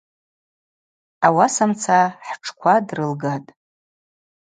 Ауасамца хӏтшква дрылгатӏ.